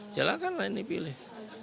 silahkan lah ini pilih